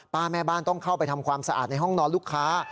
แม่บ้านต้องเข้าไปทำความสะอาดในห้องนอนลูกค้า